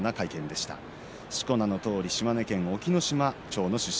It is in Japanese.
しこ名のとおり島根県隠岐の島町の出身